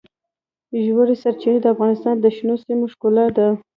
ژورې سرچینې د افغانستان د شنو سیمو ښکلا ده.